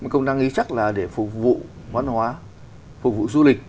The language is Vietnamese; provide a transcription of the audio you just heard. công năng ghi chắc là để phục vụ văn hóa phục vụ du lịch